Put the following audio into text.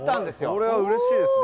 それはうれしいですね。